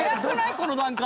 この段階。